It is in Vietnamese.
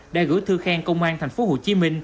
đã gửi thư khen công an tp hcm